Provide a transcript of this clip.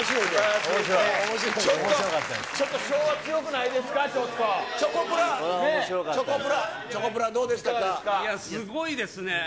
いや、すごいですね。